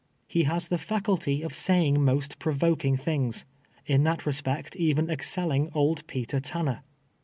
He has the faculty of saying most provoking things, in that resjiect even excelling old Peter Tanner.